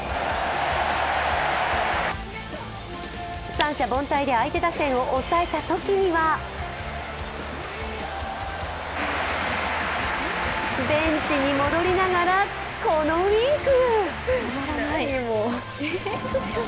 三者凡退で相手打線を抑えたときにはベンチに戻りながらこのウインク。